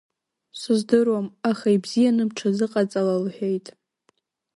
Сыздыруам, аха ибзианы бҽазыҟаҵала лҳәеит.